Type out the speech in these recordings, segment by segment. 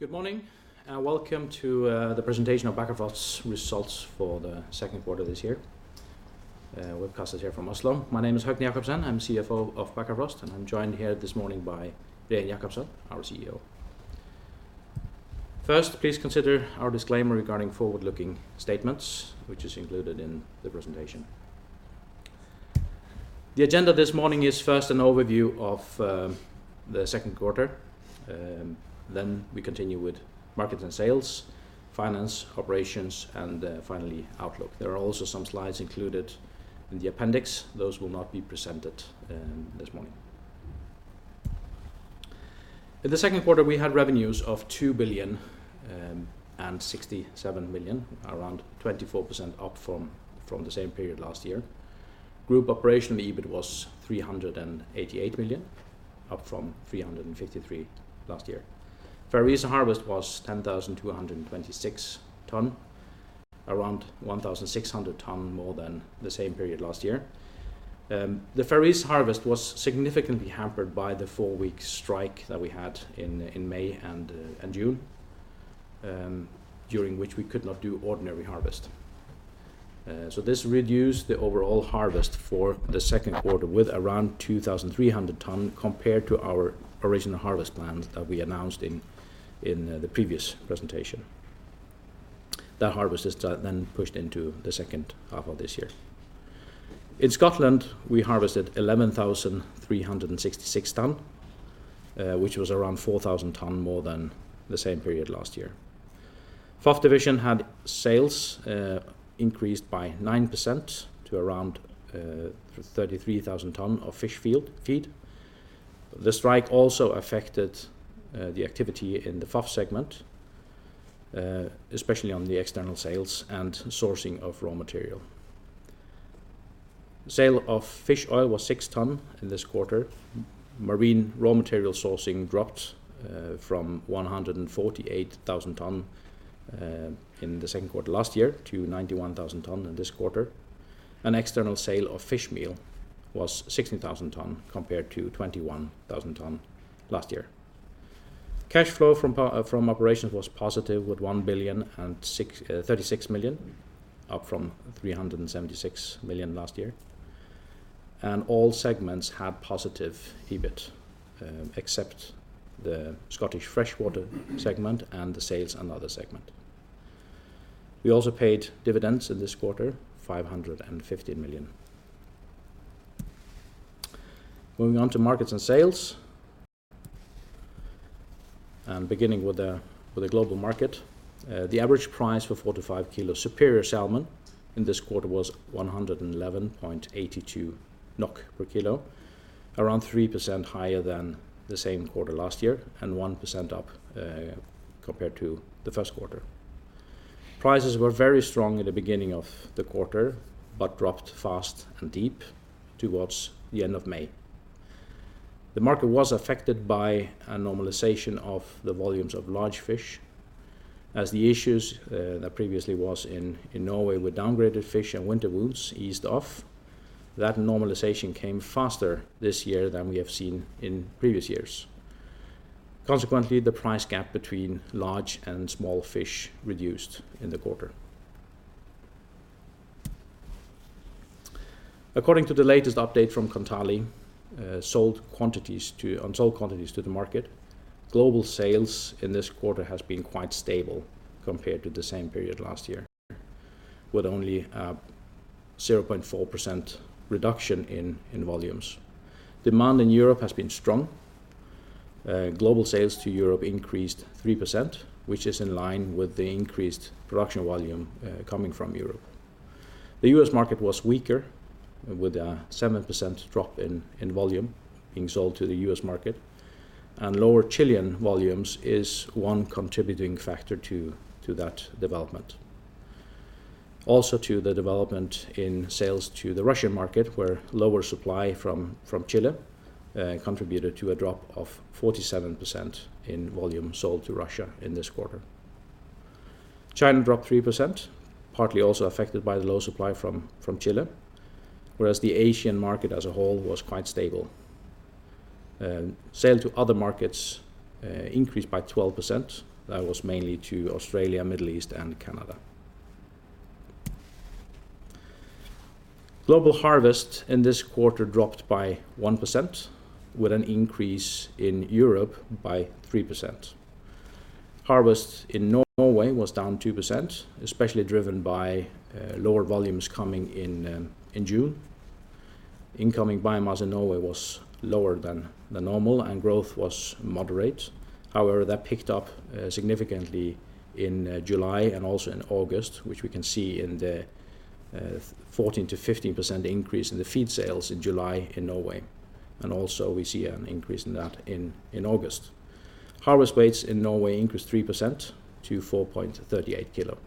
Good morning, and welcome to the presentation of Bakkafrost's results for the second quarter of this year. Webcasters here from Oslo. My name is Høgni Jakobsen. I'm CFO of Bakkafrost, and I'm joined here this morning by Regin Jacobsen, our CEO. First, please consider our disclaimer regarding forward-looking statements, which is included in the presentation. The agenda this morning is first an overview of the second quarter, then we continue with markets and sales, finance, operations, and finally, outlook. There are also some slides included in the appendix. Those will not be presented this morning. In the second quarter, we had revenues of 2 billion and 67 million, around 24% up from the same period last year. Group operational EBIT was 388 million, up from 353 million last year. Faroese harvest was 10,226 tons, around 1,600 tons more than the same period last year. The Faroese harvest was significantly hampered by the four-week strike that we had in May and June, during which we could not do ordinary harvest. So this reduced the overall harvest for the second quarter with around 2,300 tons, compared to our original harvest plans that we announced in the previous presentation. That harvest is then pushed into the second half of this year. In Scotland, we harvested 11,366 tons, which was around 4,000 tons more than the same period last year. FOF Division had sales increased by 9% to around 33,000 tons of fish feed. The strike also affected the activity in the FOF segment, especially on the external sales and sourcing of raw material. Sales of fish oil were 6 tons in this quarter. Marine raw material sourcing dropped from 148,000 tons in the second quarter last year to 91,000 tons in this quarter. External sales of fish meal were 16,000 tons, compared to 21,000 tons last year. Cash flow from operations was positive, with 1,036 million, up from 376 million last year. All segments had positive EBIT, except the Scottish freshwater segment and the sales and other segment. We also paid dividends in this quarter, 550 million. Moving on to markets and sales, beginning with the global market. The average price for 45-kilo superior salmon in this quarter was 111.82 NOK per kilo, around 3% higher than the same quarter last year, and 1% up, compared to the first quarter. Prices were very strong at the beginning of the quarter, but dropped fast and deep towards the end of May. The market was affected by a normalization of the volumes of large fish, as the issues that previously was in Norway, with downgraded fish and winter wounds eased off. That normalization came faster this year than we have seen in previous years. Consequently, the price gap between large and small fish reduced in the quarter. According to the latest update from Kontali, on sold quantities to the market, global sales in this quarter has been quite stable compared to the same period last year, with only a 0.4% reduction in volumes. Demand in Europe has been strong. Global sales to Europe increased 3%, which is in line with the increased production volume coming from Europe. The U.S. market was weaker, with a 7% drop in volume being sold to the U.S. market, and lower Chilean volumes is one contributing factor to that development. Also, to the development in sales to the Russian market, where lower supply from Chile contributed to a drop of 47% in volume sold to Russia in this quarter. China dropped 3%, partly also affected by the low supply from Chile, whereas the Asian market as a whole was quite stable. Sale to other markets increased by 12%. That was mainly to Australia, Middle East, and Canada. Global harvest in this quarter dropped by 1%, with an increase in Europe by 3%. Harvest in Norway was down 2%, especially driven by lower volumes coming in in June. Incoming biomass in Norway was lower than the normal, and growth was moderate. However, that picked up significantly in July and also in August, which we can see in the 14% to 15% increase in the feed sales in July in Norway, and also we see an increase in that in August. Harvest weights in Norway increased 3% to 4.38 kilo.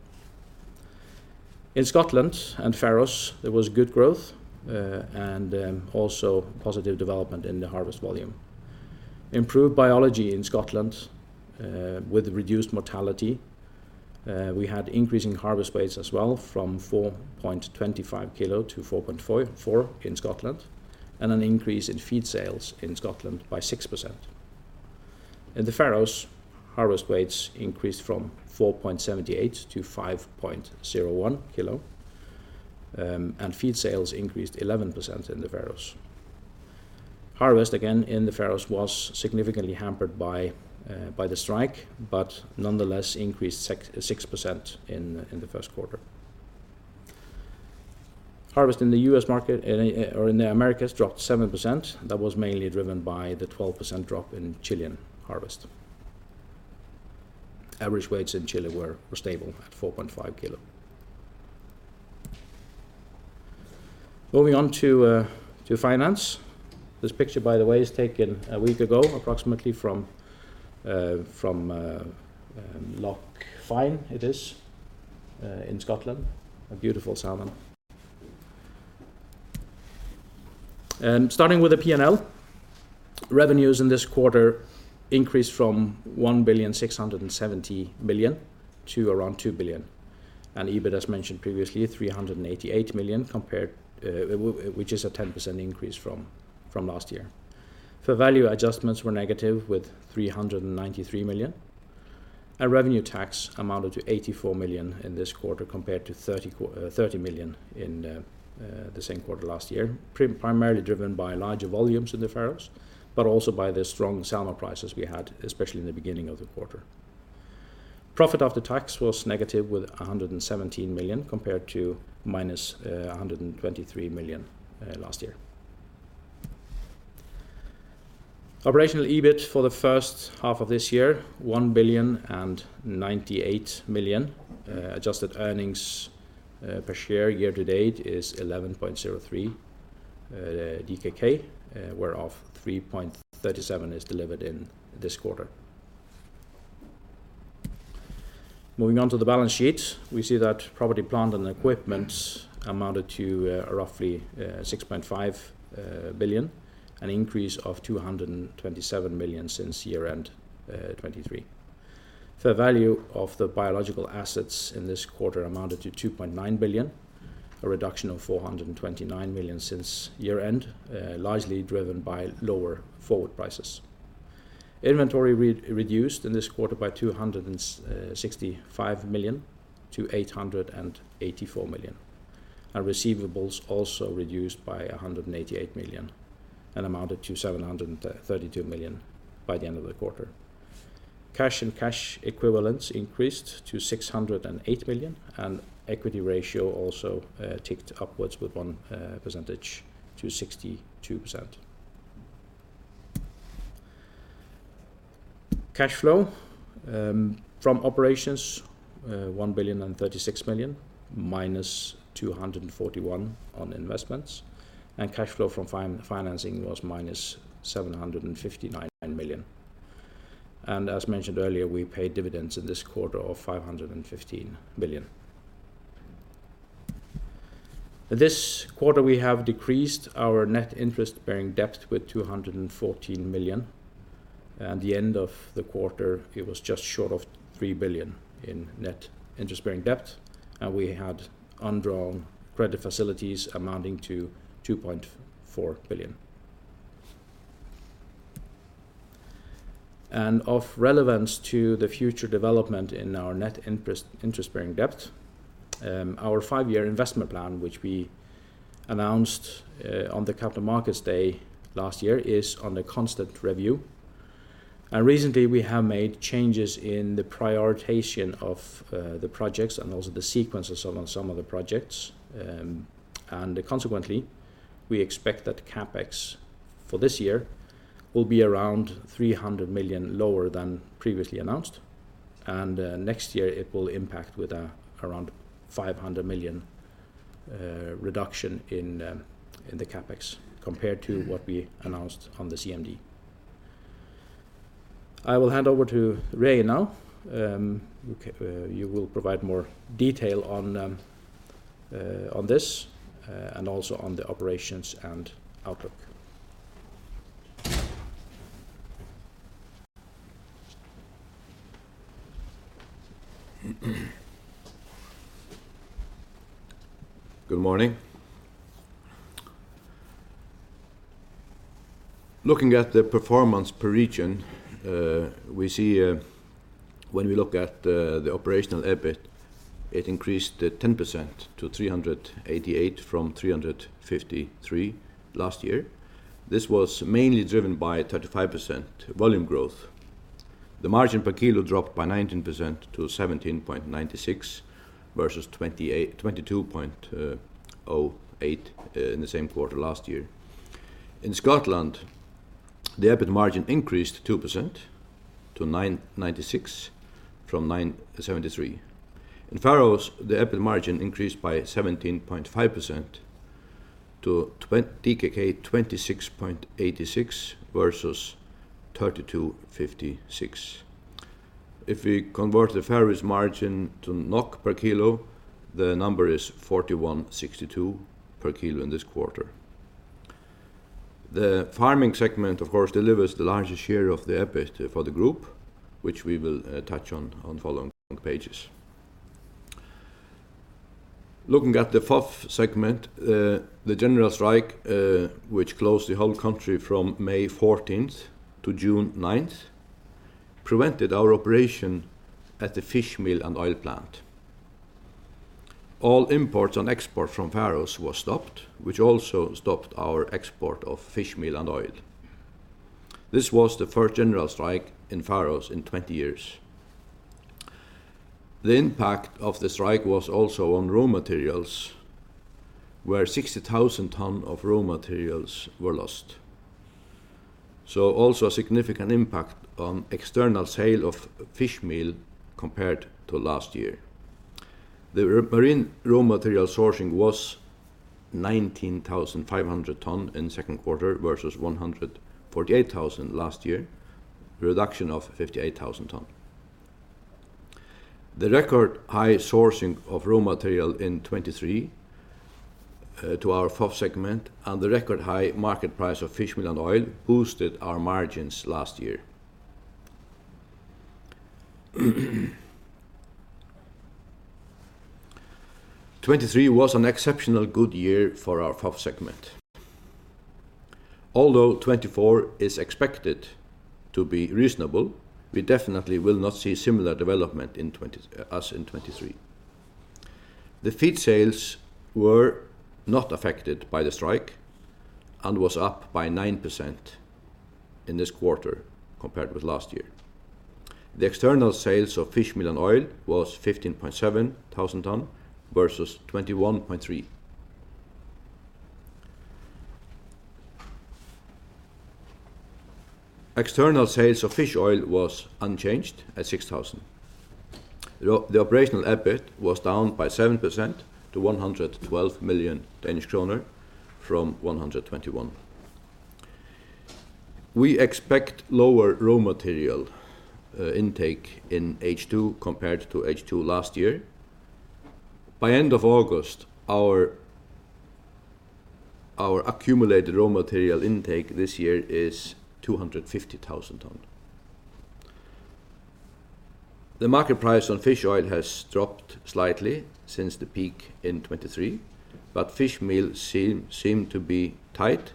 In Scotland and Faroes, there was good growth, and also positive development in the harvest volume. Improved biology in Scotland, with reduced mortality. We had increasing harvest weights as well, from 4.25 kilo to 4.44 in Scotland, and an increase in feed sales in Scotland by 6%. In the Faroes, harvest weights increased from 4.78 to 5.01 kilo, and feed sales increased 11% in the Faroes. Harvest, again in the Faroes, was significantly hampered by the strike, but nonetheless increased 6% in the first quarter. Harvest in the U.S. market and or in the Americas dropped 7%. That was mainly driven by the 12% drop in Chilean harvest. Average weights in Chile were stable at 4.5 kilo. Moving on to finance. This picture, by the way, is taken a week ago, approximately from Loch Fyne, it is in Scotland. A beautiful salmon. And starting with the P&L, revenues in this quarter increased from 1.67 billion to around 2 billion. And EBIT, as mentioned previously, 388 million compared, which is a 10% increase from last year. Fair value adjustments were negative, with 393 million, and revenue tax amounted to 84 million in this quarter, compared to 30 million in the same quarter last year. Primarily driven by larger volumes in the Faroes, but also by the strong salmon prices we had, especially in the beginning of the quarter. Profit after tax was negative 117 million, compared to minus 123 million last year. Operational EBIT for the first half of this year, 1.098 billion. Adjusted earnings per share year to date is 11.03 DKK, whereof 3.37 is delivered in this quarter. Moving on to the balance sheet, we see that property, plant, and equipment amounted to roughly 6.5 billion, an increase of 227 million since year-end 2023. Fair value of the biological assets in this quarter amounted to 2.9 billion, a reduction of 429 million since year-end, largely driven by lower forward prices. Inventory reduced in this quarter by 265 million to 884 million, and receivables also reduced by 188 million, and amounted to 732 million by the end of the quarter. Cash and cash equivalents increased to 608 million, and equity ratio also ticked upwards with 1 percentage to 62%. Cash flow from operations 1,036 million, minus 241 on investments, and cash flow from financing was minus 759 million. As mentioned earlier, we paid dividends in this quarter of 515 million. This quarter, we have decreased our net interest-bearing debt with 214 million. At the end of the quarter, it was just short of 3 billion in net interest-bearing debt, and we had undrawn credit facilities amounting to DKK 2.4 billion. And of relevance to the future development in our net interest-bearing debt, our five-year investment plan, which we announced on the Capital Markets Day last year, is under constant review. And recently, we have made changes in the prioritization of the projects and also the sequence of some of the projects. And consequently, we expect that CapEx for this year will be around 300 million lower than previously announced. And next year it will impact with around 500 million reduction in the CapEx, compared to what we announced on the CMD. I will hand over to Regin now. Okay, you will provide more detail on this, and also on the operations and outlook. Good morning. Looking at the performance per region, we see when we look at the operational EBIT, it increased 10% to 388 from 353 last year. This was mainly driven by 35% volume growth. The margin per kilo dropped by 19% to 17.96, versus twenty-two point zero eight in the same quarter last year. In Scotland, the EBIT margin increased 2% to 9.96 from 9.73. In Faroes, the EBIT margin increased by 17.5% to DKK 26.86 versus 32.56. If we convert the Faroes margin to NOK per kilo, the number is 41.62 per kilo in this quarter.... The farming segment, of course, delivers the largest share of the EBIT for the group, which we will touch on on following pages. Looking at the FOF segment, the general strike, which closed the whole country from May fourteenth to June ninth, prevented our operation at the fish meal and oil plant. All imports and exports from Faroes were stopped, which also stopped our export of fish meal and oil. This was the first general strike in Faroes in twenty years. The impact of the strike was also on raw materials, where 60,000 ton of raw materials were lost. So also a significant impact on external sale of fish meal compared to last year. The marine raw material sourcing was 19,500 ton in second quarter versus 148,000 last year, reduction of 58,000 ton. The record high sourcing of raw material in 2023 to our FOF segment and the record high market price of fish meal and oil boosted our margins last year. 2023 was an exceptional good year for our FOF segment. Although 2024 is expected to be reasonable, we definitely will not see similar development in 2024 as in 2023. The feed sales were not affected by the strike and was up by 9% in this quarter compared with last year. The external sales of fish meal and oil was 15.7 thousand tonnes versus 21.3. External sales of fish oil was unchanged at 6 thousand. The operational EBIT was down by 7% to 112 million Danish kroner from 121 million. We expect lower raw material intake in H2 compared to H2 last year. By the end of August, our accumulated raw material intake this year is 250,000 tons. The market price on fish oil has dropped slightly since the peak in 2023, but fish meal seems to be tight,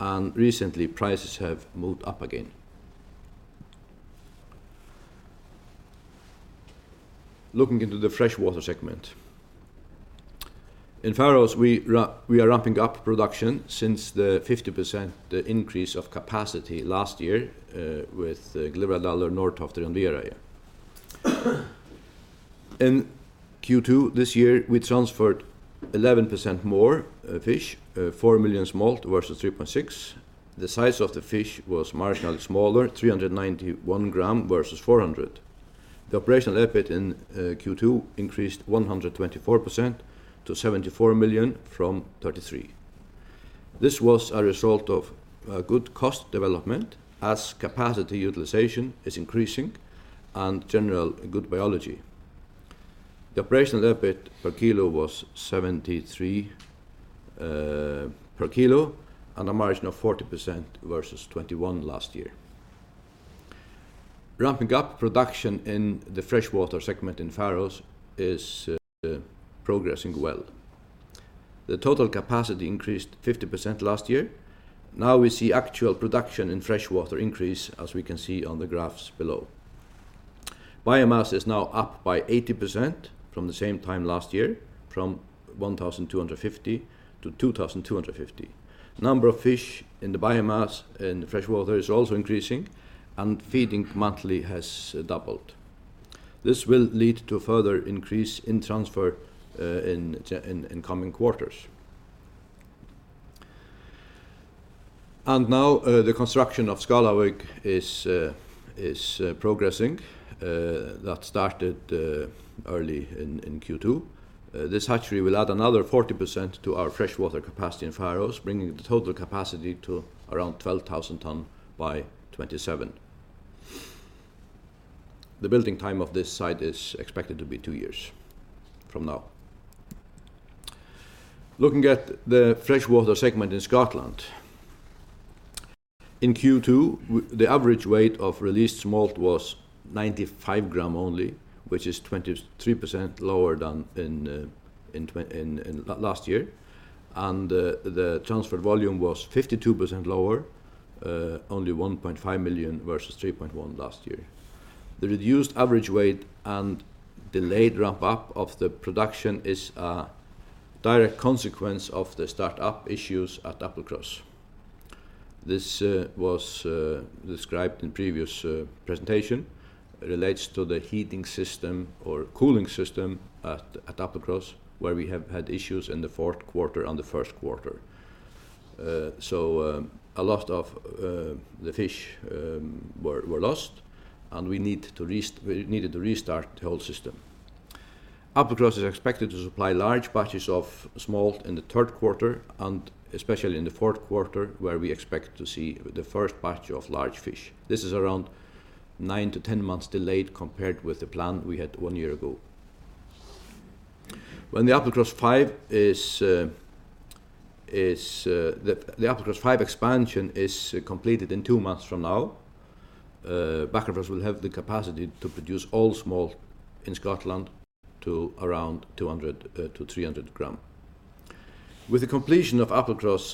and recently prices have moved up again. Looking into the freshwater segment. In the Faroe Islands, we are ramping up production since the 50% increase of capacity last year, with Glyvradalur, Norðtoftir and Viðareiði In Q2 this year, we transferred 11% more fish, 4 million smolt versus 3.6. The size of the fish was marginally smaller, 391 grams versus 400. The operational EBIT in Q2 increased 124% to 74 million from 33. This was a result of good cost development as capacity utilization is increasing and general good biology. The operational EBIT per kilo was 73 per kilo and a margin of 40% versus 21 last year. Ramping up production in the freshwater segment in Faroes is progressing well. The total capacity increased 50% last year. Now we see actual production in freshwater increase, as we can see on the graphs below. Biomass is now up by 80% from the same time last year, from 1,250 to 2,250. Number of fish in the biomass in the freshwater is also increasing, and feeding monthly has doubled. This will lead to further increase in transfer in coming quarters. Now the construction of Skálavík is progressing, that started early in Q2. This hatchery will add another 40% to our freshwater capacity in Faroes, bringing the total capacity to around 12,000 tons by 2027. The building time of this site is expected to be two years from now. Looking at the freshwater segment in Scotland. In Q2, the average weight of released smolt was 95 grams only, which is 23% lower than in last year, and the transfer volume was 52% lower, only 1.5 million versus 3.1 last year. The reduced average weight and delayed ramp-up of the production is a direct consequence of the startup issues at Applecross. This was described in previous presentation, relates to the heating system or cooling system at Applecross, where we have had issues in the fourth quarter and the first quarter. So, a lot of the fish were lost, and we needed to restart the whole system. Applecross is expected to supply large batches of smolt in the third quarter, and especially in the fourth quarter, where we expect to see the first batch of large fish. This is around nine to ten months delayed compared with the plan we had one year ago. When the Applecross 5 expansion is completed in two months from now, Bakkafrost will have the capacity to produce all smolt in Scotland to around two hundred to three hundred gram. With the completion of Applecross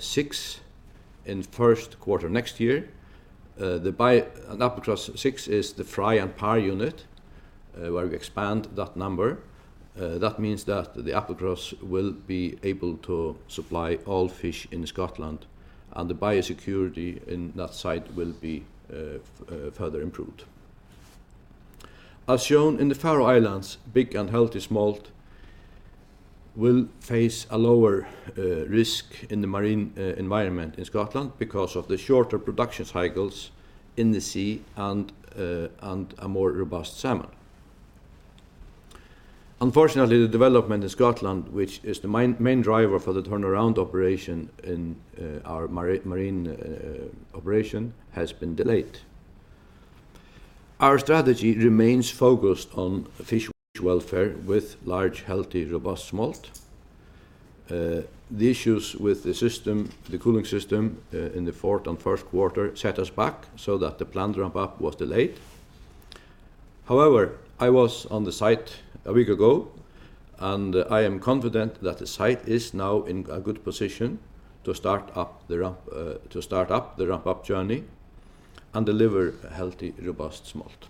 six in first quarter next year, and Applecross 6 is the fry and parr unit, where we expand that number. That means that the Applecross will be able to supply all fish in Scotland, and the biosecurity in that site will be further improved. As shown in the Faroe Islands, big and healthy smolt will face a lower risk in the marine environment in Scotland because of the shorter production cycles in the sea and a more robust salmon. Unfortunately, the development in Scotland, which is the main driver for the turnaround operation in our marine operation, has been delayed. Our strategy remains focused on fish welfare, with large, healthy, robust smolt. The issues with the system, the cooling system, in the fourth and first quarter set us back so that the planned ramp up was delayed. However, I was on the site a week ago, and I am confident that the site is now in a good position to start up the ramp-up journey and deliver healthy, robust smolt.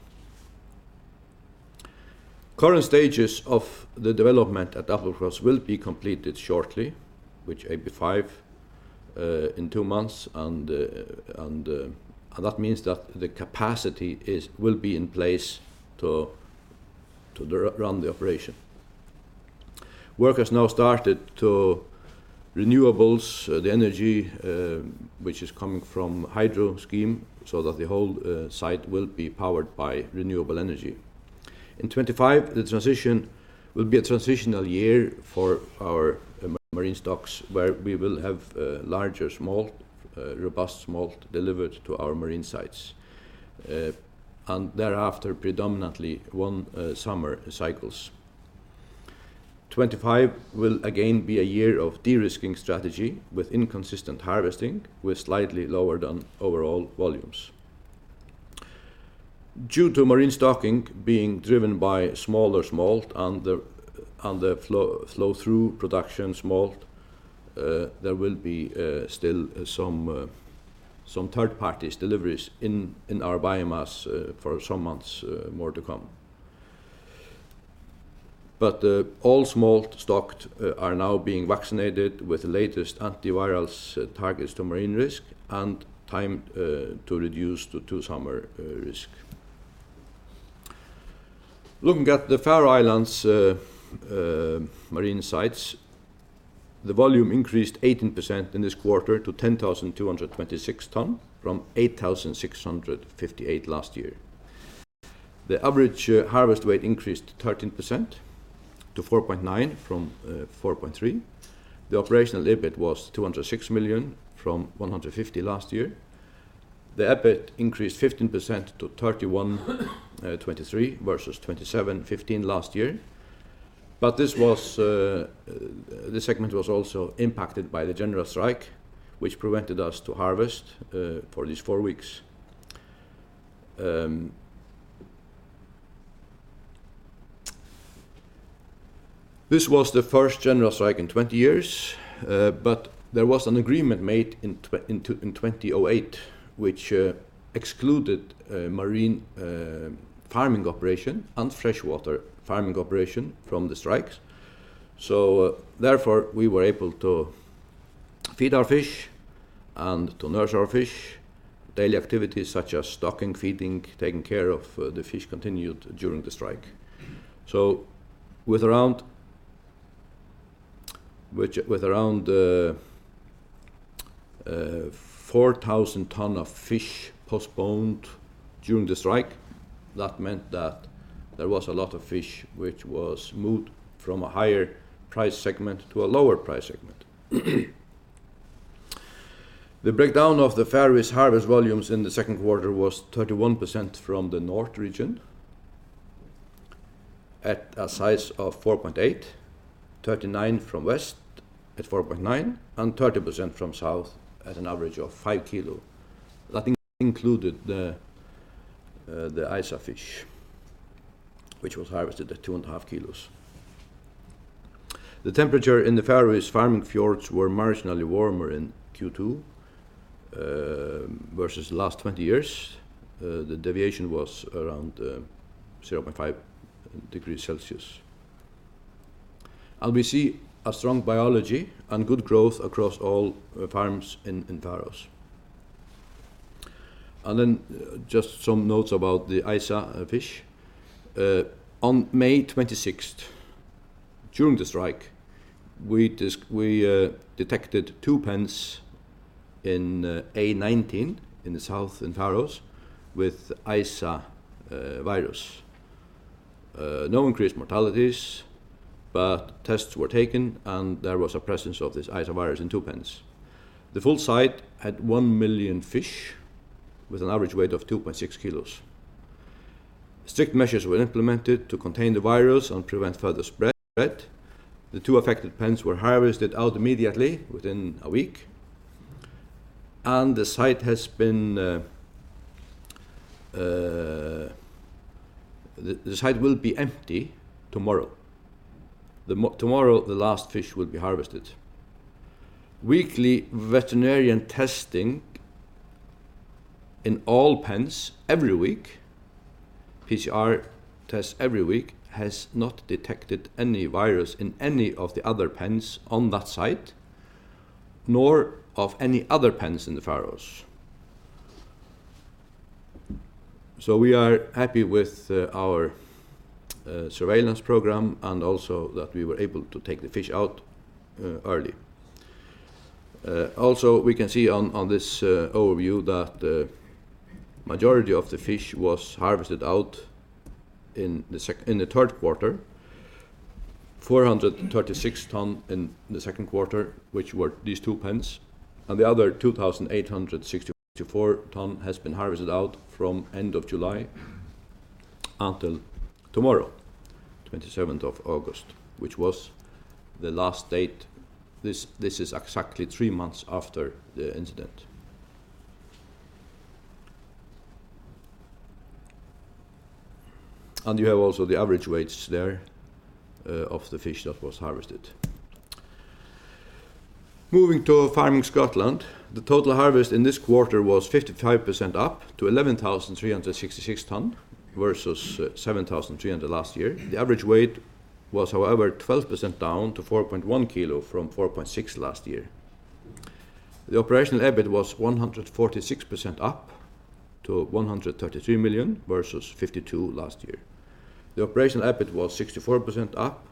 Current stages of the development at Applecross will be completed shortly, which in two months, and that means that the capacity will be in place to run the operation. Work has now started to renewables, the energy, which is coming from hydro scheme, so that the whole site will be powered by renewable energy. In twenty-five, the transition will be a transitional year for our marine stocks, where we will have larger smolt, robust smolt, delivered to our marine sites, and thereafter predominantly one summer cycles. Twenty-five will again be a year of de-risking strategy, with inconsistent harvesting, with slightly lower than overall volumes. Due to marine stocking being driven by smaller smolt and the flow-through production smolt, there will be still some third-party deliveries in our biomass for some months more to come. But all smolt stocked are now being vaccinated with the latest antivirals targeted to marine risk and time to reduce the two-summer risk. Looking at the Faroe Islands marine sites, the volume increased 18% in this quarter to 10,226 ton, from 8,658 last year. The average harvest weight increased 13% to 4.9 from 4.3. The operational EBIT was 206 million from 150 million last year. The EBIT increased 15% to 31.23 versus 27.15 last year. But this was, this segment was also impacted by the general strike, which prevented us to harvest for these four weeks. This was the first general strike in 20 years, but there was an agreement made in 2008, which excluded marine farming operation and freshwater farming operation from the strikes. So therefore, we were able to feed our fish and to nurture our fish. Daily activities such as stocking, feeding, taking care of the fish continued during the strike. With around 4,000 tons of fish postponed during the strike, that meant that there was a lot of fish which was moved from a higher price segment to a lower price segment. The breakdown of the Faroese harvest volumes in the second quarter was 31% from the north region, at a size of 4.8, 39% from west at 4.9, and 30% from south at an average of 5 kilos. That included the ISA fish, which was harvested at two and a half kilos. The temperature in the Faroese farming fjords were marginally warmer in Q2 versus the last 20 years. The deviation was around 0.5 degrees Celsius. We see a strong biology and good growth across all farms in Faroes. Then just some notes about the ISA fish. On May twenty-sixth, during the strike, we detected two pens in A19, in the south, in Faroes, with ISA virus. No increased mortalities, but tests were taken, and there was a presence of this ISA virus in two pens. The full site had one million fish with an average weight of two point six kilos. Strict measures were implemented to contain the virus and prevent further spread. The two affected pens were harvested out immediately within a week, and the site will be empty tomorrow. Tomorrow, the last fish will be harvested. Weekly veterinarian testing in all pens every week, PCR test every week, has not detected any virus in any of the other pens on that site, nor of any other pens in the Faroes. So we are happy with our surveillance program, and also that we were able to take the fish out early. Also, we can see on this overview that majority of the fish was harvested out in the third quarter, 436 ton in the second quarter, which were these two pens, and the other 2,864 ton has been harvested out from end of July until tomorrow, twenty-seventh of August, which was the last date. This is exactly three months after the incident. And you have also the average weights there of the fish that was harvested. Moving to Farming Scotland, the total harvest in this quarter was 55% up to 11,366 ton, versus 7,300 last year. The average weight was, however, 12% down to 4.1 kilo from 4.6 last year. The operational EBIT was 146% up to 133 million versus 52 last year. The operational EBIT was 64% up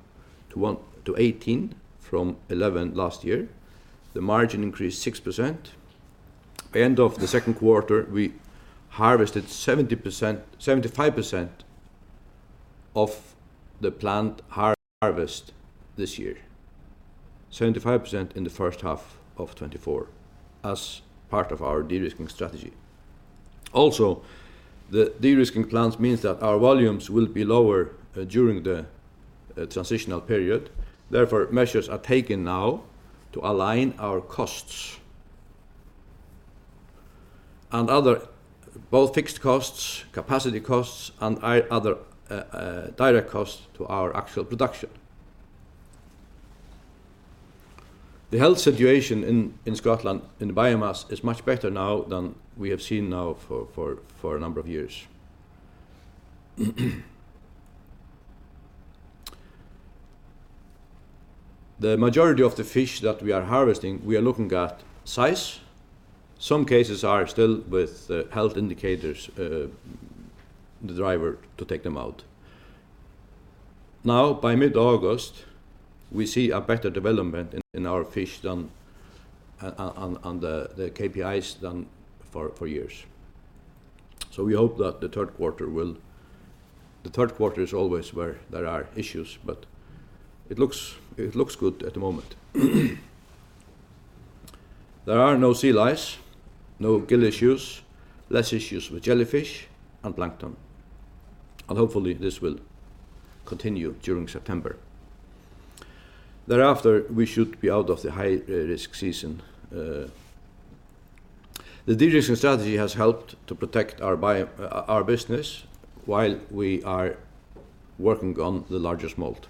to 18 from 11 last year. The margin increased 6%. By end of the second quarter, we harvested 75% of the planned harvest this year. 75% in the first half of 2024, as part of our de-risking strategy. Also, the de-risking plans means that our volumes will be lower during the transitional period. Therefore, measures are taken now to align our costs and other... both fixed costs, capacity costs, and other direct costs to our actual production. The health situation in Scotland, in the biomass, is much better now than we have seen now for a number of years. The majority of the fish that we are harvesting, we are looking at size. Some cases are still with health indicators, the driver to take them out. Now, by mid-August, we see a better development in our fish than on the KPIs than for years. So we hope that the third quarter will. The third quarter is always where there are issues, but it looks good at the moment. There are no sea lice, no gill issues, less issues with jellyfish and plankton, and hopefully this will continue during September. Thereafter, we should be out of the high risk season. The de-risking strategy has helped to protect our business while we are working on the largest smolt.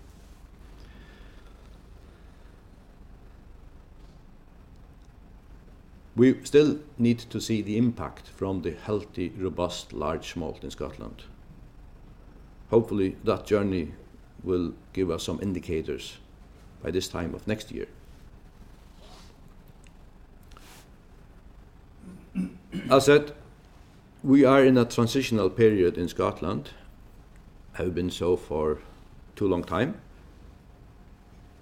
We still need to see the impact from the healthy, robust, large smolt in Scotland. Hopefully, that journey will give us some indicators by this time of next year. As said, we are in a transitional period in Scotland, have been so for too long time.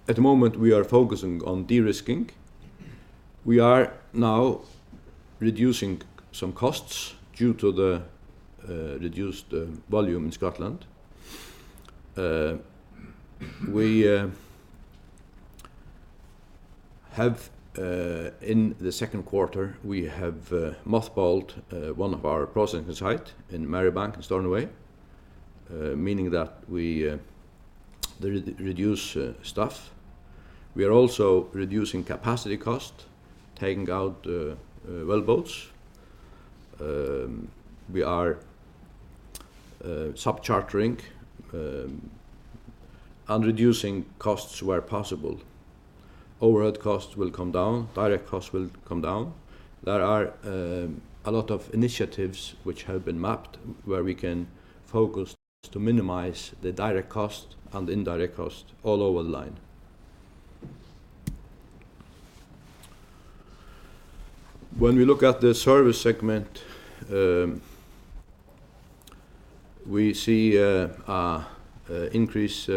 At the moment, we are focusing on de-risking. We are now reducing some costs due to the reduced volume in Scotland. We have, in the second quarter, we have, mothballed one of our processing site in Marybank, in Stornoway, meaning that we reduce staff. We are also reducing capacity cost, taking out wellboats. We are sub-chartering and reducing costs where possible. Overhead costs will come down, direct costs will come down. There are a lot of initiatives which have been mapped, where we can focus to minimize the direct cost and the indirect cost all over the line. When we look at the service segment, we see a increase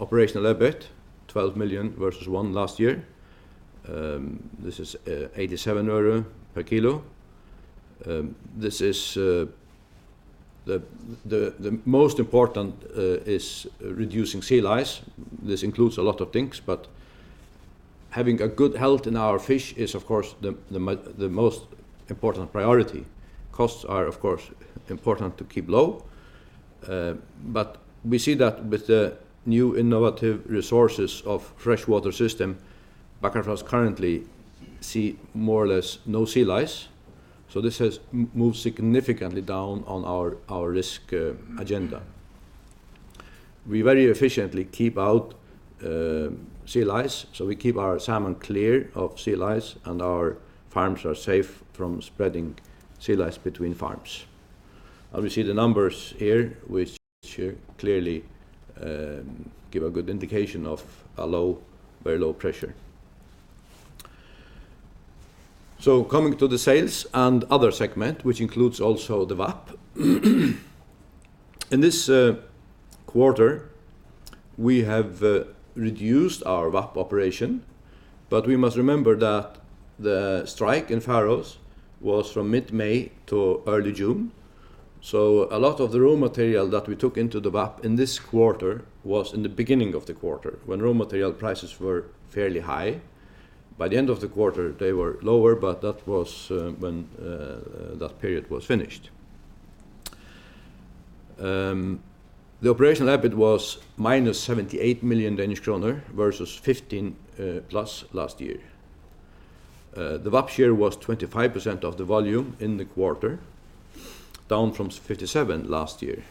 operational EBIT, 12 million DKK versus 1 last year. This is 87 euro per kilo. The most important is reducing sea lice. This includes a lot of things, but having a good health in our fish is, of course, the most important priority. Costs are, of course, important to keep low, but we see that with the new innovative resources of freshwater system, Bakkafrost currently see more or less no sea lice. So this has moved significantly down on our risk agenda. We very efficiently keep out sea lice, so we keep our salmon clear of sea lice, and our farms are safe from spreading sea lice between farms. And we see the numbers here, which clearly give a good indication of a low, very low pressure. So coming to the sales and other segment, which includes also the VAP. In this quarter, we have reduced our VAP operation, but we must remember that the strike in Faroes was from mid-May to early June. So a lot of the raw material that we took into the VAP in this quarter was in the beginning of the quarter, when raw material prices were fairly high. By the end of the quarter, they were lower, but that was when that period was finished. The operational EBIT was minus 78 million Danish kroner, versus plus 15 last year. The VAP share was 25% of the volume in the quarter, down from 57 last year.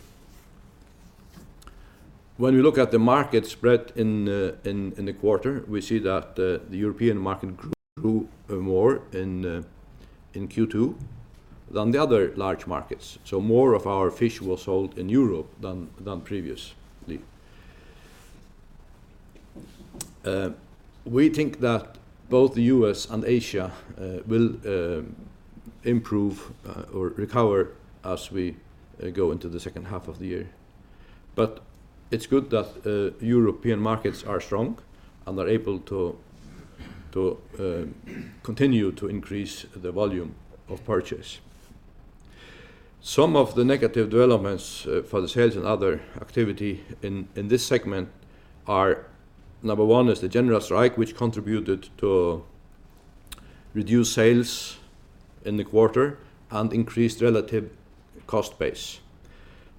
When we look at the market spread in the quarter, we see that the European market grew more in Q2 than the other large markets. So more of our fish was sold in Europe than previously. We think that both the US and Asia will improve or recover as we go into the second half of the year. But it's good that European markets are strong and are able to continue to increase the volume of purchase. Some of the negative developments for the sales and other activity in this segment are, number one is the general strike, which contributed to reduced sales in the quarter and increased relative cost base.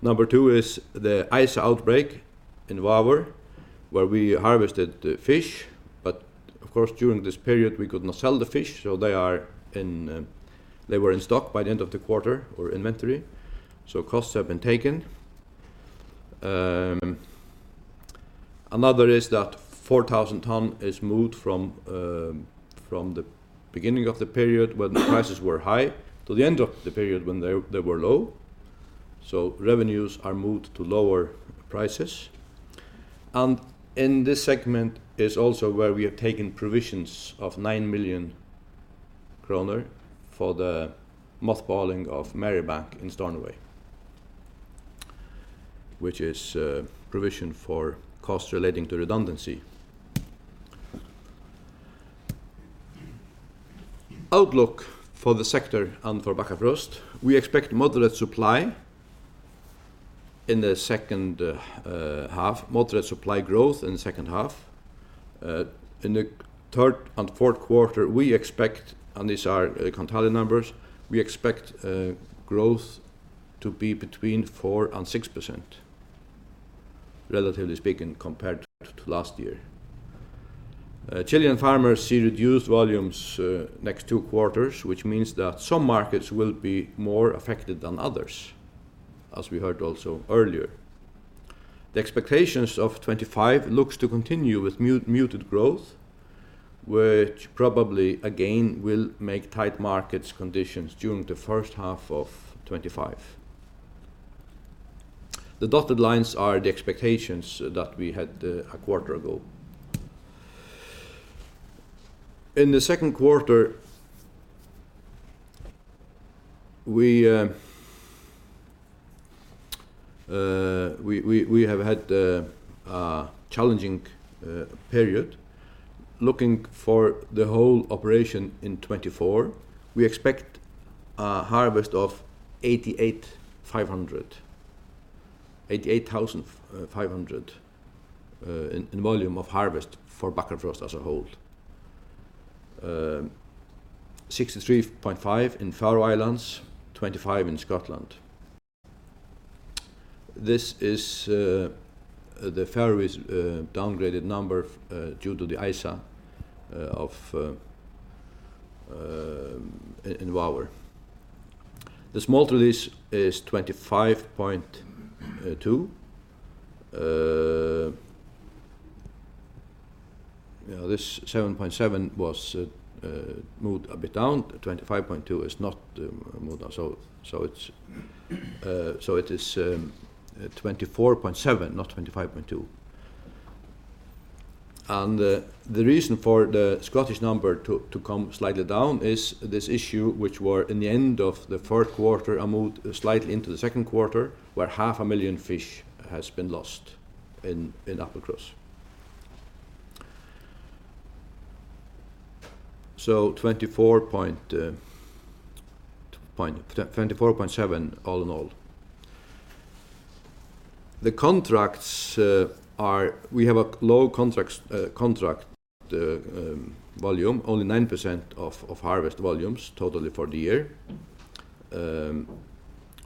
Number two is the ISA outbreak in Vágar, where we harvested the fish, but of course, during this period we could not sell the fish, so they were in stock by the end of the quarter or inventory, so costs have been taken. Another is that four thousand ton is moved from the beginning of the period when the prices were high to the end of the period when they were low. So revenues are moved to lower prices, and in this segment is also where we have taken provisions of 9 million kroner for the mothballing of Marybank in Stornoway, which is, provision for costs relating to redundancy. Outlook for the sector and for Bakkafrost. We expect moderate supply in the second half, moderate supply growth in the second half. In the third and fourth quarter, we expect, and these are, Kontali numbers, we expect, growth to be between 4% and 6%, relatively speaking, compared to last year. Chilean farmers see reduced volumes, next two quarters, which means that some markets will be more affected than others, as we heard also earlier. The expectations of 2025 looks to continue with muted growth, which probably again will make tight market conditions during the first half of 2025. The dotted lines are the expectations that we had a quarter ago. In the second quarter, we have had a challenging period. Looking for the whole operation in 2024, we expect a harvest of eighty-eight thousand five hundred in volume of harvest for Bakkafrost as a whole. Sixty-three point five in Faroe Islands, twenty-five in Scotland. This is the Faroes downgraded number for due to the ISA in Vágar. The smolt release is twenty-five point two. You know, this seven point seven was moved a bit down. The twenty-five point two is not moved down, so it is twenty-four point seven, not twenty-five point two. The reason for the Scottish number to come slightly down is this issue, which were in the end of the fourth quarter and moved slightly into the second quarter, where 500,000 fish has been lost in Applecross. So 24.7, all in all. The contracts are. We have a low contract volume, only 9% of harvest volumes totally for the year.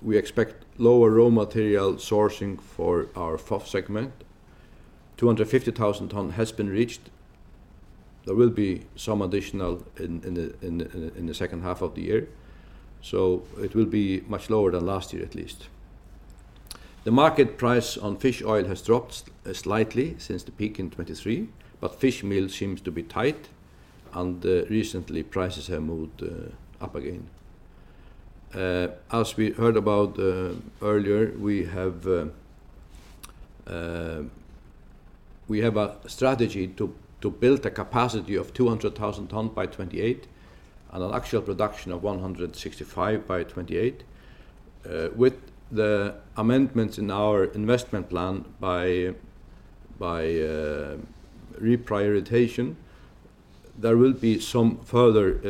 We expect lower raw material sourcing for our FOF segment. 250,000 ton has been reached. There will be some additional in the second half of the year, so it will be much lower than last year, at least. The market price on fish oil has dropped slightly since the peak in 2023, but fish meal seems to be tight, and recently prices have moved up again. As we heard about earlier, we have a strategy to build a capacity of 200,000 ton by 2028, and an actual production of 165 by 2028. With the amendments in our investment plan by reprioritization, there will be some further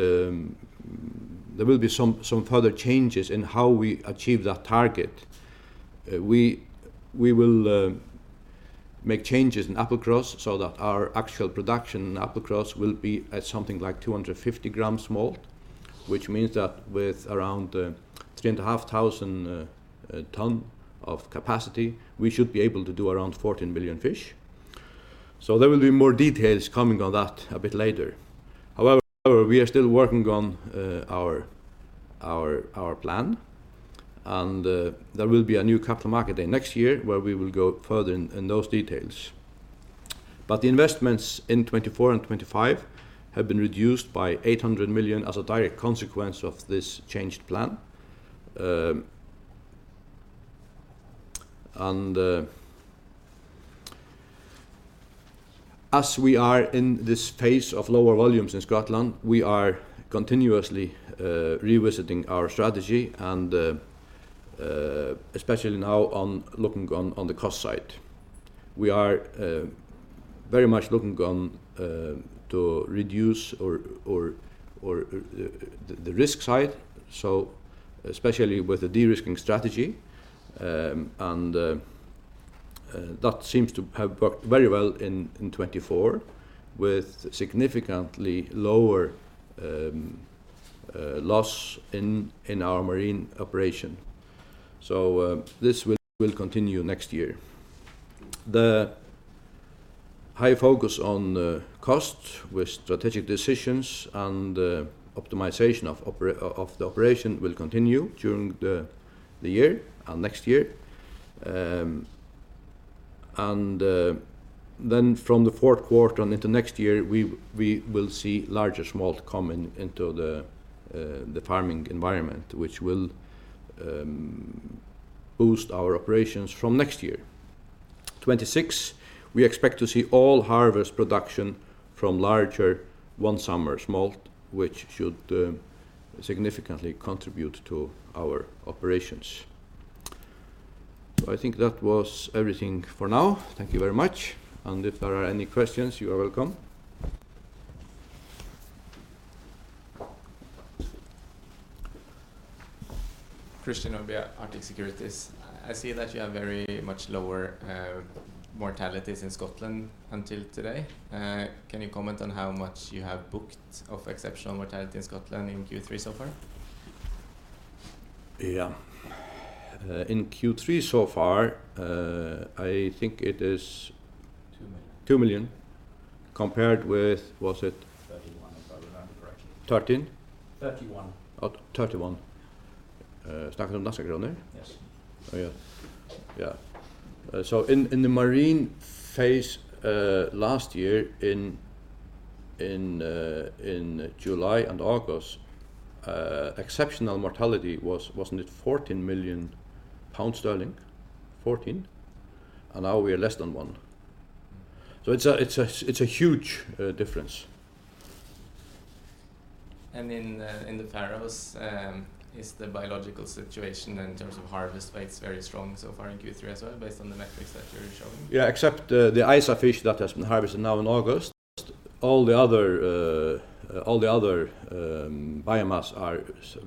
changes in how we achieve that target. We will make changes in Applecross so that our actual production in Applecross will be at something like two hundred and fifty grams smolt, which means that with around three and a half thousand ton of capacity, we should be able to do around fourteen billion fish. So there will be more details coming on that a bit later. However, we are still working on our plan, and there will be a new Capital Markets Day next year, where we will go further in those details. But the investments in 2024 and 2025 have been reduced by 800 million as a direct consequence of this changed plan. As we are in this phase of lower volumes in Scotland, we are continuously revisiting our strategy and especially now looking on the cost side. We are very much looking to reduce the risk side, so especially with the de-risking strategy. That seems to have worked very well in 2024, with significantly lower loss in our marine operation. This will continue next year. The high focus on costs with strategic decisions and optimization of the operation will continue during the year and next year. Then from the fourth quarter and into next year, we will see larger smolt coming into the farming environment, which will boost our operations from next year. 2026, we expect to see all harvest production from larger one summer smolt, which should significantly contribute to our operations. I think that was everything for now. Thank you very much, and if there are any questions, you are welcome. Christian Nordby, Arctic Securities. I see that you have very much lower mortalities in Scotland until today. Can you comment on how much you have booked of exceptional mortality in Scotland in Q3 so far? Yeah. In Q3 so far, I think it is- Two million. Two million, compared with, was it? Thirty-one, if I remember correctly. Thirteen? Thirty-one. Oh, 31. Snakker du om Nassegrønn der? Yes. Oh, yeah. Yeah. So in the marine phase, last year, in July and August, exceptional mortality was, wasn't it 14 million pounds? Fourteen? And now we are less than one. Mm. It's a huge difference. In the Faroes, is the biological situation in terms of harvest weights very strong so far in Q3 as well, based on the metrics that you're showing? Yeah, except the ISA fish that has been harvested now in August, all the other biomass are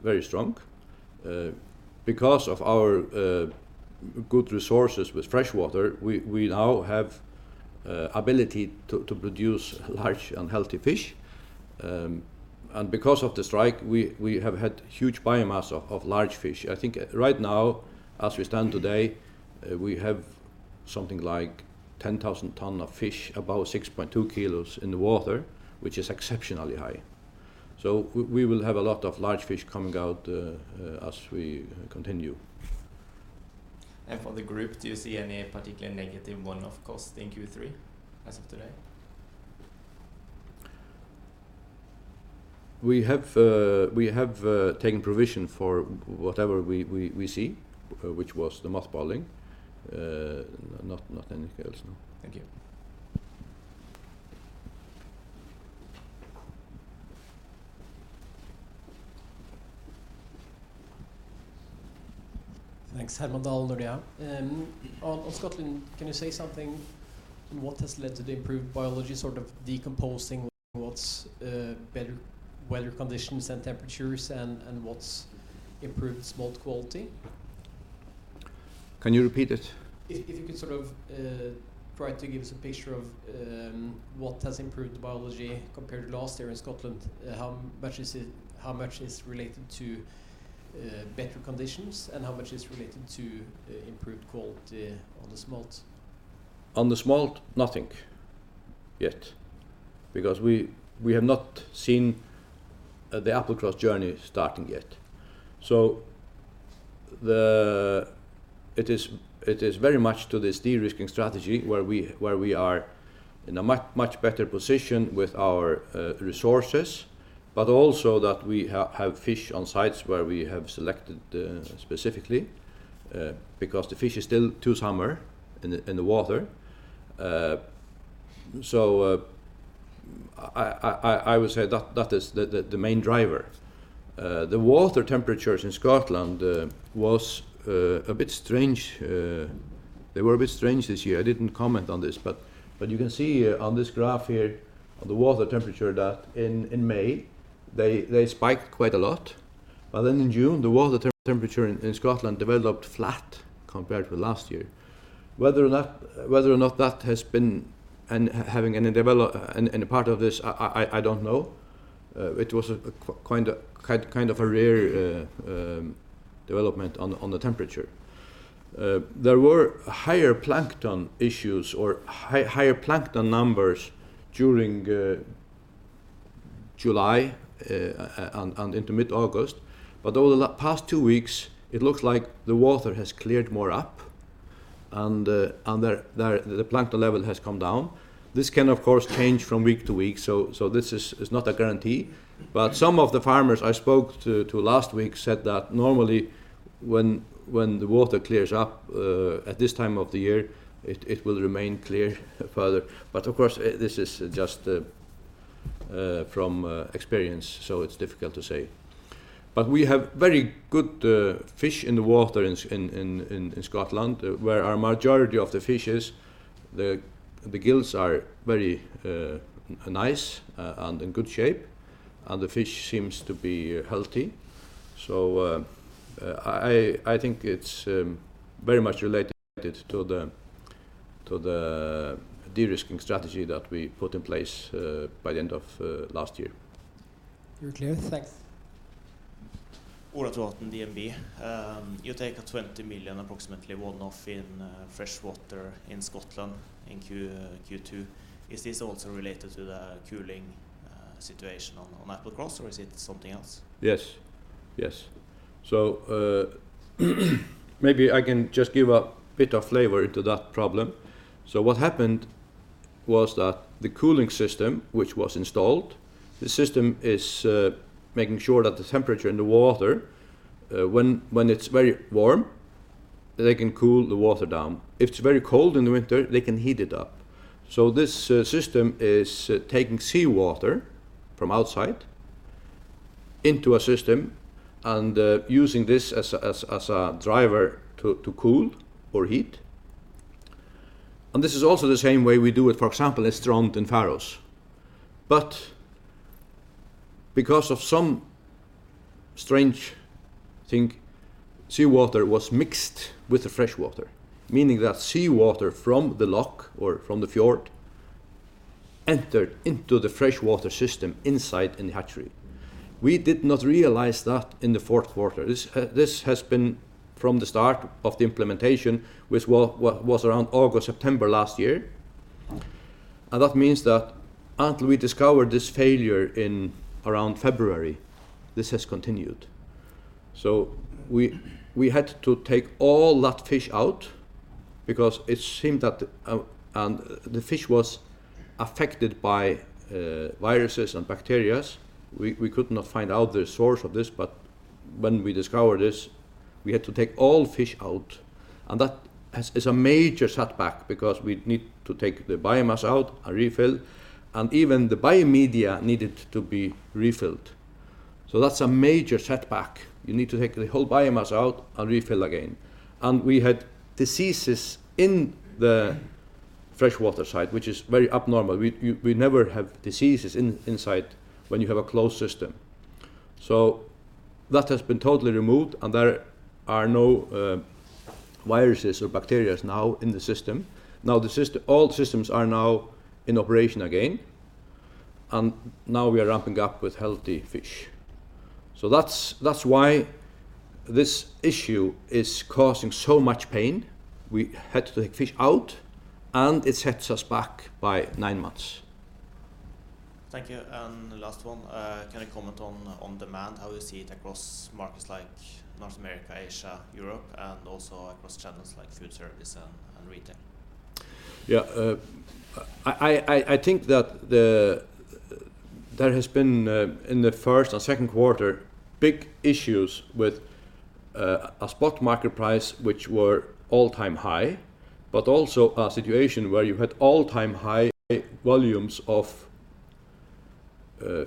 very strong. Because of our good resources with freshwater, we now have ability to produce large and healthy fish. And because of the strike, we have had huge biomass of large fish. I think right now, as we stand today, we have something like 10,000 tons of fish, about 6.2 kilos in the water, which is exceptionally high. So we will have a lot of large fish coming out as we continue. For the group, do you see any particular negative one-off cost in Q3, as of today? We have taken provision for whatever we see, which was the mothballing. Not anything else, no. Thank you. Thanks, Herman Dahl, Nordea. On Scotland, can you say something on what has led to the improved biology, sort of decomposing what's better weather conditions and temperatures, and what's improved smolt quality? Can you repeat it? If you could sort of try to give us a picture of what has improved the biology compared to last year in Scotland. How much is it related to better conditions, and how much is related to improved quality on the smolt? On the smolt, nothing yet, because we have not seen the Applecross journey starting yet. It is very much to this de-risking strategy, where we are in a much better position with our resources, but also that we have fish on sites where we have selected specifically, because the fish is still too small in the water. So, I would say that is the main driver. The water temperatures in Scotland was a bit strange. They were a bit strange this year. I didn't comment on this, but you can see on this graph here, on the water temperature, that in May, they spiked quite a lot, but then in June, the water temperature in Scotland developed flat compared to last year. Whether or not that has been having any part of this, I don't know. It was a kind of a rare development on the temperature. There were higher plankton issues or higher plankton numbers during July and into mid-August. But over the past two weeks, it looks like the water has cleared more up, and the plankton level has come down. This can, of course, change from week to week, so this is not a guarantee. Some of the farmers I spoke to last week said that normally, when the water clears up at this time of the year, it will remain clear further. But of course, this is just from experience, so it's difficult to say. We have very good fish in the water in Scotland, where our majority of the fish is. The gills are very nice and in good shape, and the fish seems to be healthy. I think it's very much related to the de-risking strategy that we put in place by the end of last year. You're clear. Thanks. Ola Trovatn, DNB Markets. You take a 20 million DKK, approximately, one-off in fresh water in Scotland in Q2. Is this also related to the cooling situation on Applecross, or is it something else? Yes, yes, so maybe I can just give a bit of flavor into that problem. What happened was that the cooling system, which was installed, the system is making sure that the temperature in the water, when it's very warm, they can cool the water down. If it's very cold in the winter, they can heat it up. This system is taking seawater from outside into a system and using this as a driver to cool or heat. This is also the same way we do it, for example, in Strond, Faroes. But because of some strange thing, seawater was mixed with the fresh water, meaning that seawater from the loch or from the fjord entered into the fresh water system inside, in the hatchery. We did not realize that in the fourth quarter. This has been from the start of the implementation, which was around August, September last year, and that means that until we discovered this failure in around February, this has continued, so we had to take all that fish out because it seemed that and the fish was affected by viruses and bacteria. We could not find out the source of this, but when we discovered this, we had to take all fish out, and that is a major setback because we need to take the biomass out and refill, and even the biomedia needed to be refilled, so that's a major setback. You need to take the whole biomass out and refill again, and we had diseases in the fresh water site, which is very abnormal. We never have diseases inside when you have a closed system. So that has been totally removed, and there are no viruses or bacteria now in the system. Now, all systems are now in operation again, and now we are ramping up with healthy fish. So that's, that's why this issue is causing so much pain. We had to take fish out, and it sets us back by nine months. Thank you, and the last one. Can you comment on demand, how you see it across markets like North America, Asia, Europe, and also across channels like food service and retail? Yeah. I think that there has been in the first and second quarter big issues with a spot market price, which were all-time high, but also a situation where you had all-time high volumes of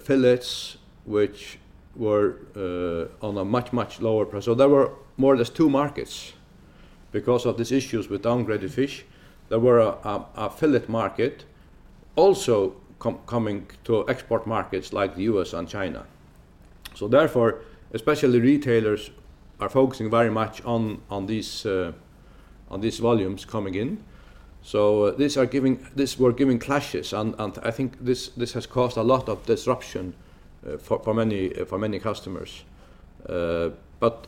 fillets, which were on a much, much lower price. So there were more or less two markets. Because of these issues with downgraded fish, there were a fillet market also coming to export markets like the U.S. and China. So therefore, especially retailers are focusing very much on these volumes coming in. So these were giving clashes, and I think this has caused a lot of disruption for many customers. But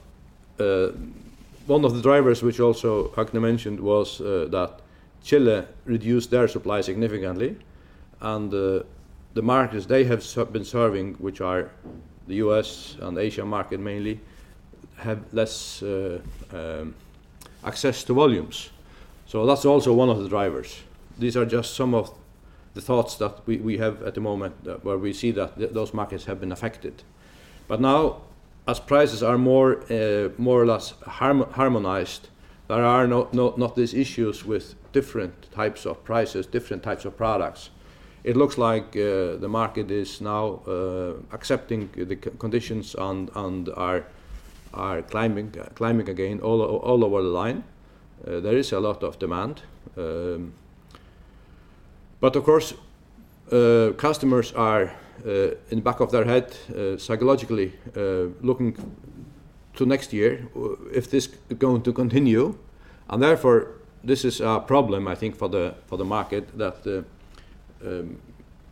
one of the drivers, which also Høgni mentioned, was that Chile reduced their supply significantly, and the markets they have been serving, which are the U.S. and Asia market mainly, have less access to volumes. So that's also one of the drivers. These are just some of the thoughts that we have at the moment, where we see that those markets have been affected. But now, as prices are more or less harmonized, there are no not these issues with different types of prices, different types of products. It looks like the market is now accepting the conditions and are climbing again all over the line. There is a lot of demand. But of course, customers are in the back of their head psychologically looking to next year, if this going to continue. And therefore, this is a problem, I think, for the market, that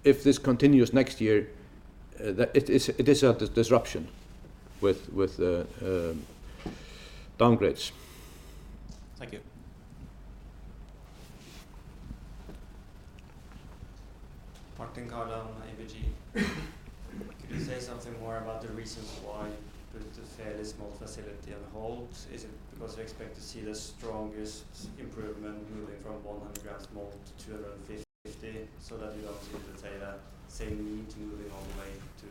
if this continues next year, that it is a disruption with downgrades. Thank you. Martin Kaland, ABG. Could you say something more about the reason why you put the fairly small facility on hold? Is it because you expect to see the strongest improvement moving from 100-gram smolt to 250, so that you don't see the same, same need to moving all the way to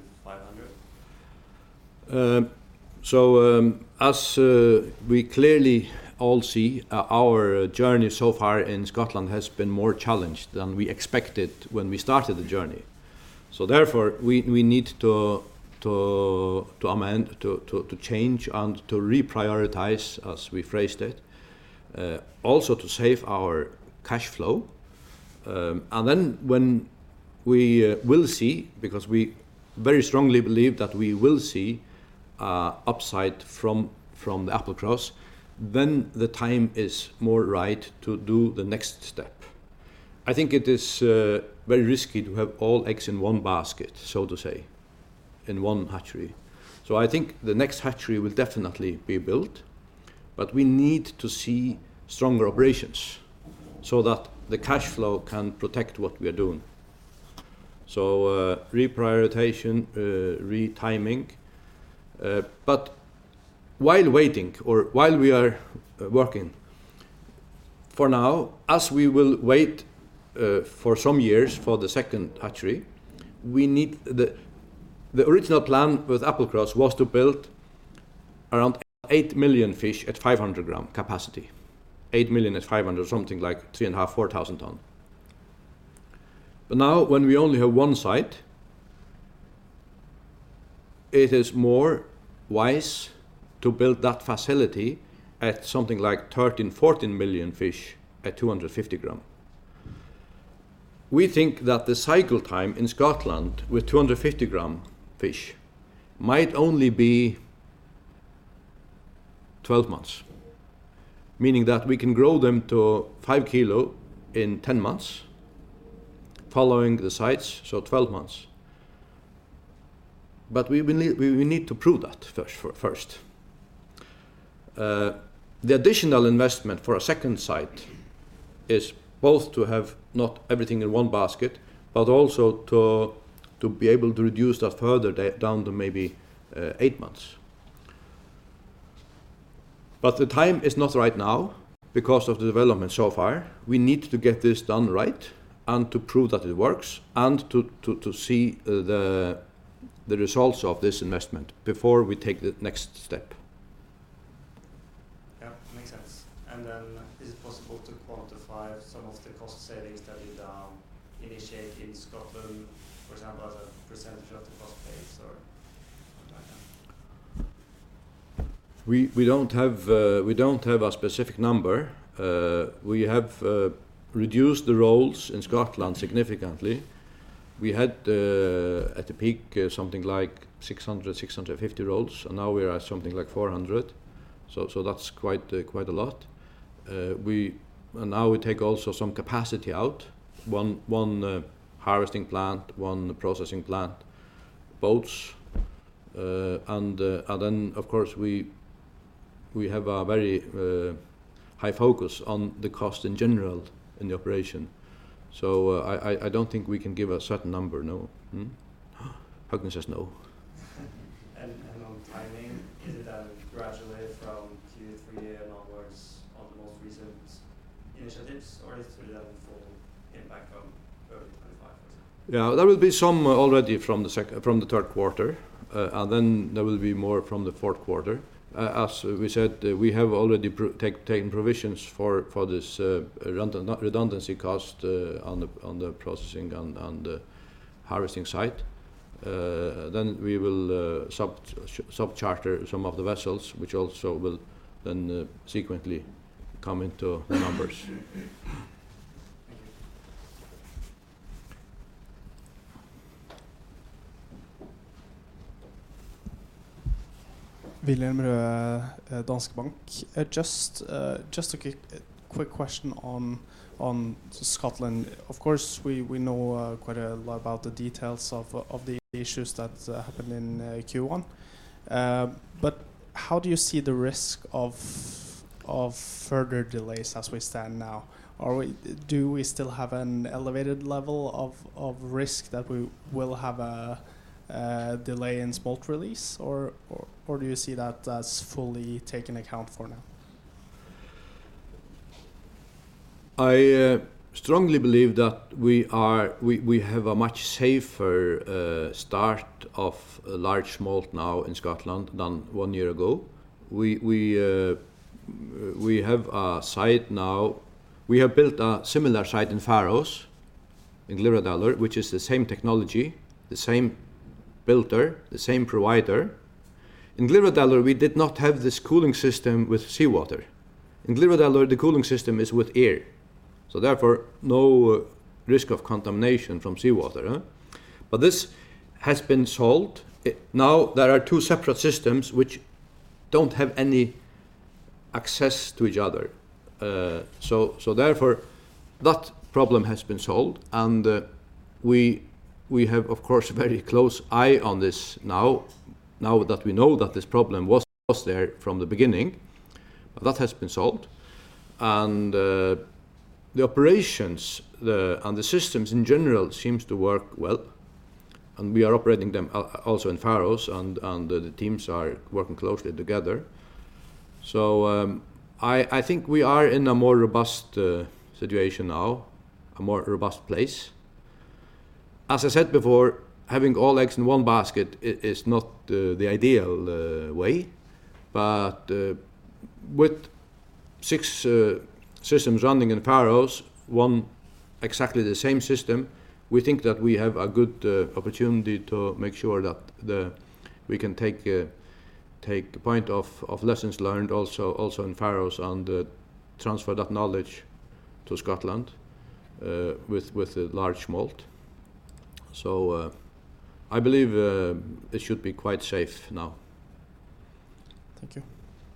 500? So, as we clearly all see, our journey so far in Scotland has been more challenged than we expected when we started the journey. So therefore, we need to amend, to change and to reprioritize, as we phrased it, also to save our cash flow, and then when we will see, because we very strongly believe that we will see, upside from the Applecross, then the time is more right to do the next step. I think it is very risky to have all eggs in one basket, so to say, in one hatchery. So I think the next hatchery will definitely be built, but we need to see stronger operations so that the cash flow can protect what we are doing. So, reprioritization, retiming. But while waiting or while we are working, for now, as we will wait for some years for the second hatchery, we need the. The original plan with Applecross was to build around eight million fish at 500-gram capacity. Eight million at 500, something like three and a half, four thousand tons. But now, when we only have one site, it is more wise to build that facility at something like 13, 14 million fish at 250-gram. We think that the cycle time in Scotland with 250-gram fish might only be 12 months, meaning that we can grow them to 5 kilo in 10 months, following the sites, so 12 months. But we need to prove that first. The additional investment for a second site is both to have not everything in one basket, but also to be able to reduce that further down to maybe eight months. But the time is not right now because of the development so far. We need to get this done right and to prove that it works, and to see the results of this investment before we take the next step. Yeah, makes sense. And then is it possible to quantify some of the cost savings that you initiate in Scotland, for example, as a percentage of the cost base or something like that? We don't have a specific number. We have reduced the roles in Scotland significantly. We had at the peak something like six hundred and fifty roles, and now we are at something like four hundred. That's quite a lot, and now we take also some capacity out, one harvesting plant, one processing plant, boats, and then, of course, we have a very high focus on the cost in general in the operation, so I don't think we can give a certain number, no. Hm? Agne says no. On timing, is it gradually from two to three year onwards on the most recent initiatives, or is it a full impact from early 2025 or so? Yeah, there will be some already from the third quarter, and then there will be more from the fourth quarter. As we said, we have already taken provisions for this redundancy cost on the processing and the harvesting site, then we will sub-charter some of the vessels, which also will then sequentially come into the numbers. Wilhelm Røe, Danske Bank. Just a quick question on Scotland. Of course, we know quite a lot about the details of the issues that happened in Q1. But how do you see the risk of further delays as we stand now? Do we still have an elevated level of risk that we will have a delay in smolt release? Or do you see that as fully taken account for now? I strongly believe that we have a much safer start of a large smolt now in Scotland than one year ago. We have a site now. We have built a similar site in Faroes, in Glyvradalur, which is the same technology, the same builder, the same provider. In Glyvradalur, we did not have this cooling system with seawater. In Glyvradalur, the cooling system is with air, so therefore, no risk of contamination from seawater. But this has been solved. Now there are two separate systems which don't have any access to each other. So therefore, that problem has been solved, and we have, of course, a very close eye on this now, now that we know that this problem was there from the beginning. But that has been solved, and the operations and the systems in general seems to work well, and we are operating them also in Faroes, and the teams are working closely together. So, I think we are in a more robust situation now, a more robust place. As I said before, having all eggs in one basket is not the ideal way, but with six systems running in Faroes, one exactly the same system, we think that we have a good opportunity to make sure that we can take the point of lessons learned also in Faroes, and transfer that knowledge to Scotland with the large smolt. So, I believe it should be quite safe now. Thank you.